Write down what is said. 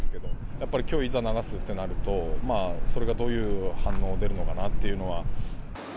やっぱりきょういざ流すとなると、まあそれがどういう反応出るのかなっていうのは。